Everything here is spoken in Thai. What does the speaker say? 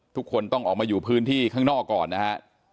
ทุกคนต้องออกมาอยู่พื้นที่ข้างนอกก่อนนะครับ